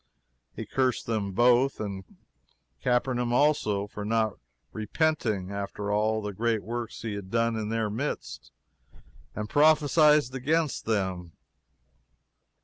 He cursed them both, and Capernaum also, for not repenting, after all the great works he had done in their midst, and prophesied against them.